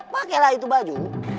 pakailah itu baju